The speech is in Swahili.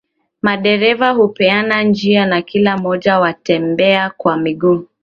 Madereva hupeana njia na kila mmoja na watembea kwa miguu